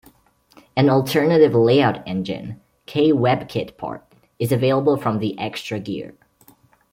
An alternative layout engine, "kwebkitpart", is available from the Extragear.